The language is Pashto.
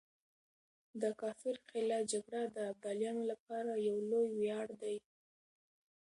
د کافر قلعه جګړه د ابدالیانو لپاره يو لوی وياړ دی.